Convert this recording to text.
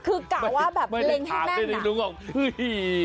คือกล่าวว่าแบบเล็งให้แม่งนะ